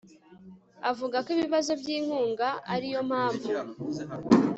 avuga ko ibibazo byinkunga ari yo mpamvu